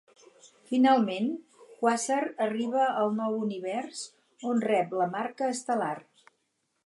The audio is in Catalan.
Finalment, Quasar arriba al Nou Univers, on rep la Marca Estel·lar.